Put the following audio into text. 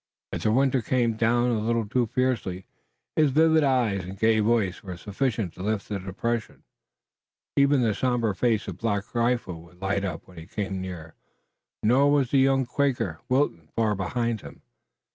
If the winter came down a little too fiercely, his vivid eyes and gay voice were sufficient to lift the depression. Even the somber face of Black Rifle would light up when he came near. Nor was the young Quaker, Wilton, far behind him.